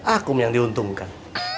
ah kong yang diuntungkan